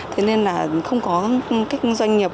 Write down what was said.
thế nên là không có các doanh nghiệp